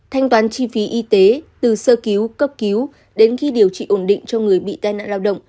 thanh toán chi phí y tế từ sơ cứu cấp cứu đến khi điều trị ổn định cho người bị tai nạn lao động